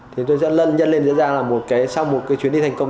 thì tôi sẽ lân nhân lên ra là sau một chuyến đi thành công